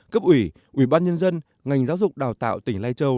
cấp ủy ủy ban nhân dân ngành giáo dục đào tạo tỉnh lai châu